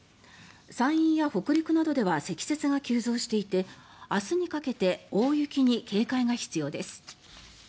山陰や北陸などでは積雪が急増していて明日にかけて大雪に警戒が必要です。